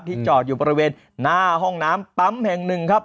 จอดอยู่บริเวณหน้าห้องน้ำปั๊มแห่งหนึ่งครับ